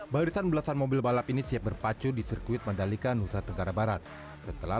barisan belasan mobil balap ini siap berpacu di sirkuit mandalika nusa tenggara barat setelah